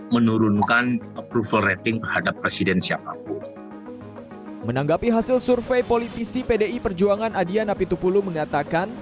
menanggapi hasil survei politisi pdi perjuangan adian apitupulu mengatakan